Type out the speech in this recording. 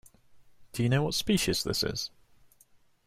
Do you know what species this is?